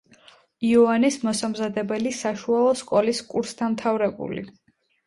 იოანეს მოსამზადებელი საშუალო სკოლის კურსდამთავრებული.